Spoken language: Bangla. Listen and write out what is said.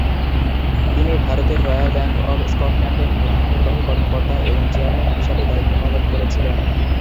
তিনি ভারতের রয়্যাল ব্যাংক অফ স্কটল্যান্ডের প্রধান নির্বাহী কর্মকর্তা এবং চেয়ারম্যান হিসাবে দায়িত্ব পালন করেছিলেন।